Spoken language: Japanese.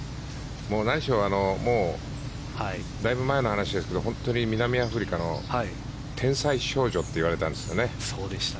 何しろだいぶ前の話ですけど本当に南アフリカの天才少女といわれたんですよね。